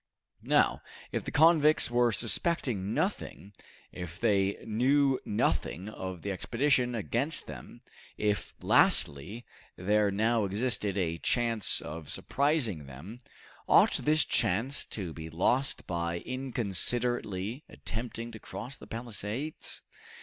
Now, if the convicts were suspecting nothing, if they knew nothing of the expedition against them, if, lastly, there now existed a chance of surprising them, ought this chance to be lost by inconsiderately attempting to cross the palisades?